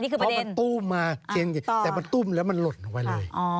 เพราะมันตู้มมาแต่มันตุ้มแล้วมันหล่นออกไปเลย